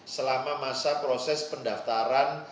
selama masa proses pendaftaran